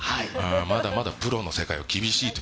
まだまだプロの世界は厳しいと。